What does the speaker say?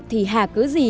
thì hà cứ gì